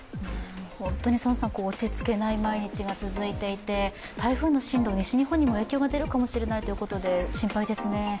本当に落ち着けない毎日が続いていて台風の進路、西日本にも影響が出るかもしれないということで心配ですね。